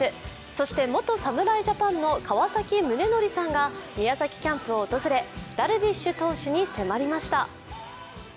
そして、元侍ジャパンの川崎宗則さんが宮崎キャンプを訪れダルビッシュ投手に迫りました。